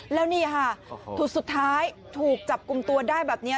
แล้วนี่ค่ะสุดท้ายถูกจับกลุ่มตัวได้แบบนี้